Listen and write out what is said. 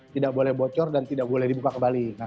tidak boleh bocor dan tidak boleh dibuka kembali